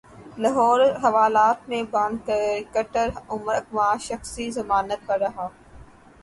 لاہور حوالات مں بند کرکٹر عمر اکمل شخصی ضمانت پر رہا